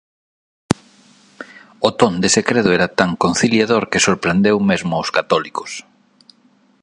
O ton dese credo era tan conciliador que sorprendeu mesmo os católicos.